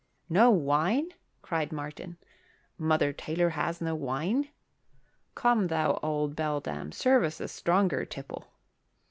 "No wine?" cried Martin. "Mother Taylor has no wine? Come, thou old beldame, serve us a stronger tipple."